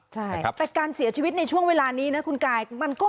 ใช่แต่การเสียชีวิตในช่วงเวลานี้นะคุณกาย